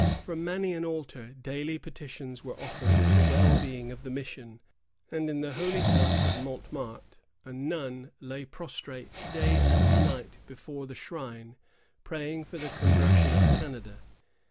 From many an altar daily petitions were offered for the well being of the mission; and in the Holy House of Mont Martre, a nun lay prostrate day and night before the shrine, praying for the conversion of Canada.